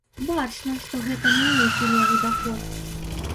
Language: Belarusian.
Бачна, што гэта не нейкі левы даход.